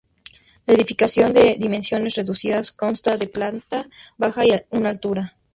La edificación, de dimensiones reducidas, consta de planta baja y una altura.